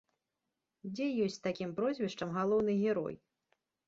Дзе ёсць з такім прозвішчам галоўны герой?